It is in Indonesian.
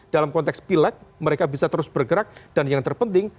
dalam konteks pileg mereka bisa terus bergerak dan yang terpenting